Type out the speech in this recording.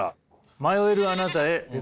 「迷えるあなたへ哲学を」。